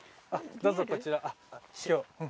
どうぞこちら。